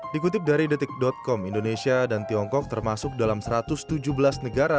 dikutip dari detik com indonesia dan tiongkok termasuk dalam satu ratus tujuh belas negara